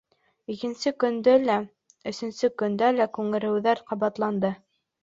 Икенсе көндө лә, өсөнсө көндө лә күнегеүҙәр ҡабатланды.